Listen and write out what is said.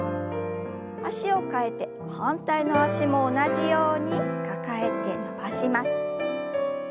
脚を替えて反対の脚も同じように抱えて伸ばします。